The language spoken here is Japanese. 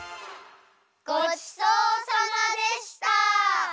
ごちそうさまでした！